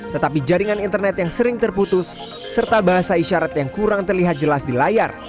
tetapi jaringan internet yang sering terputus serta bahasa isyarat yang kurang terlihat jelas di layar